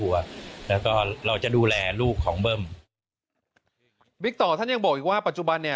วิทย์ต่อท่านยังบอกว่าปัจจุบัน